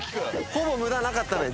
ほぼ無駄なかったのよ。